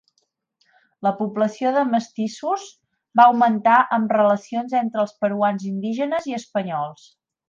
La població de mestissos va augmentar amb relacions entre els peruans indígenes i espanyols.